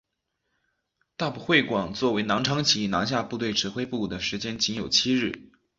大埔会馆作为南昌起义南下部队指挥部的时间仅有七日。